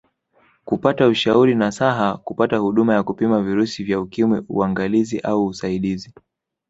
Kupata ushauri nasaha kupata huduma ya kupima virusi vya Ukimwi uangalizi au usaidizi